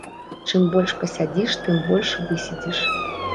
Чым больш пасядзіш, тым больш выседзіш.